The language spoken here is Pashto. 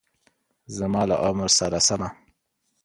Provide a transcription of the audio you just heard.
زما له عمر سره سمه